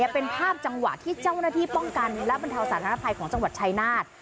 เป็นภาพจังหวะที่เจ้าหน้าที่ป้องกันและบรรเทาสาธารณภัยของจังหวัดชายนาฏ